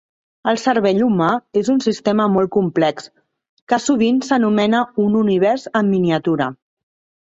El cervell humà és un sistema molt complex que sovint s'anomena un univers en miniatura.